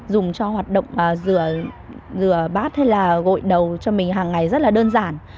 dùng cho hoạt động rửa bát hay gội đầu cho mình hàng ngày rất đơn giản